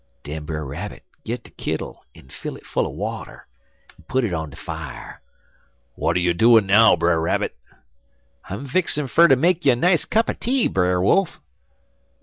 "Den Brer Rabbit git de kittle en fill it full er water, en put it on de fier. "'W'at you doin' now, Brer Rabbit?' "'I'm fixin fer ter make you a nice cup er tea, Brer Wolf.'